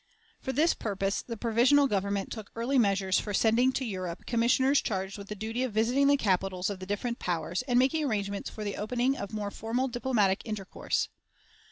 For this purpose the Provisional Government took early measures for sending to Europe Commissioners charged with the duty of visiting the capitals of the different powers and making arrangements for the opening of more formal diplomatic intercourse.